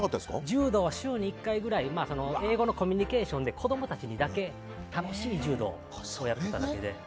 柔道は週に１回ぐらい英語のコミュニケーションで子供たちにだけ楽しい柔道をやっていただけで。